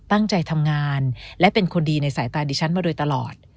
ตั้งใจทำงานและเป็นคนดีในสายตาดิฉันมาโดยตลอด